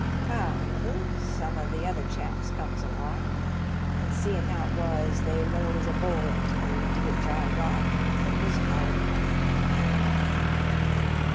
However, some o' the other chaps comes aloft, an' seein' how it was, they lowers a bowlin' to me, into which I got, and was haul'd hup."